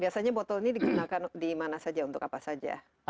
biasanya botol ini digunakan di mana saja untuk apa saja